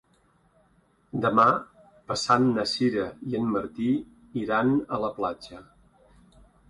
Demà passat na Sira i en Martí iran a la platja.